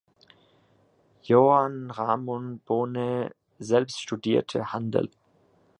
Joan Ramon Bonet selbst studierte Handel.